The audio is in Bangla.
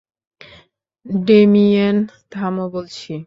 ডেমিয়েন, থামো বলছি!